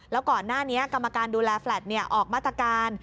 แล้วก่อนหน้านี้กรรมการดูแลแฟลตออกมาตรการ